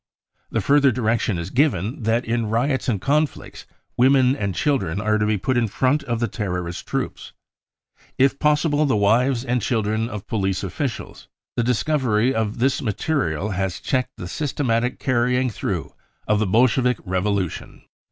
The further i 1 direction is given that in riots and conflicts women and jj children are to be put in front of the terrorist troops, if possible the wives and children of police officials. The | discovery of this material has checked the systematic * carrying through of the Bolshevik revolution."